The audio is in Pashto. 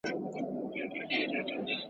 د ځنګله پاچا ولاړ په احترام سو !.